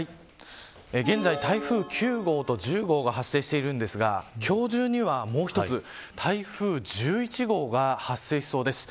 現在、台風９号と１０号が発生しているんですが今日中には、もう１つ台風１１号が発生しそうです。